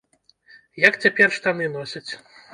Як цяпер штаны носяць?